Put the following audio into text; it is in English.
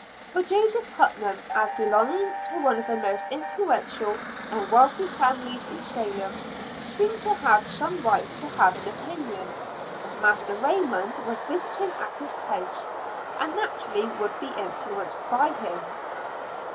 For Joseph Putnam, as belonging to one of the most influential and wealthy families in Salem, seemed to have some right to have an opinion. And Master Raymond was visiting at his house, and naturally would be influenced by him.